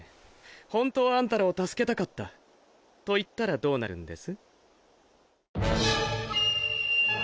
本当はアンタらを助けたかったと言ったらどうなるんです？